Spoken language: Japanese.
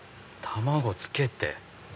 卵つけて。